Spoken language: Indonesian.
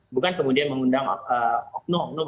bukan kemudian mengundang oknum oknum